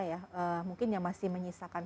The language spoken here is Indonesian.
ya mungkin yang masih menyisakan